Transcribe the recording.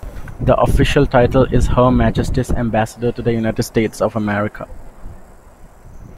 The official title is Her Majesty's Ambassador to the United States of America.